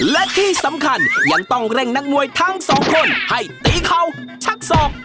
และที่สำคัญยังต้องเร่งนักมวยทั้งสองคนให้ตีเข่าชักศอก